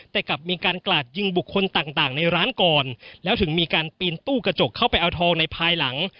แต่กลับมีการกราดยิงบุคคลต่างในร้านก่อนแล้วถึงมีการปีนตู้กระจกเข้าไปเอาทองในภายหลัง